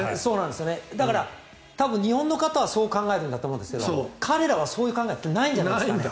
だから日本の方はそう考えるんだと思うんですが彼らはそういう考えはないんじゃないですかね。